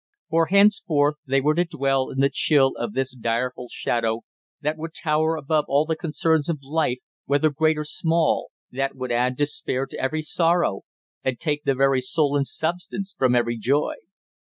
For henceforth they were to dwell in the chill of this direful shadow that would tower above all the concerns of life whether great or small; that would add despair to every sorrow, and take the very soul and substance from every joy.